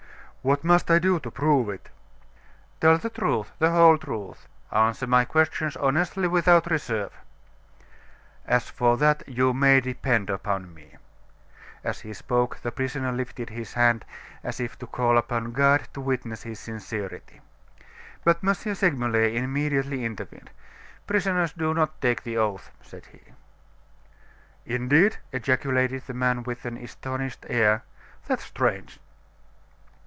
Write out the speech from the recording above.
"What must I do to prove it?" "Tell the truth, the whole truth: answer my questions honestly without reserve." "As for that, you may depend upon me." As he spoke the prisoner lifted his hand, as if to call upon God to witness his sincerity. But M. Segmuller immediately intervened: "Prisoners do not take the oath," said he. "Indeed!" ejaculated the man with an astonished air, "that's strange!"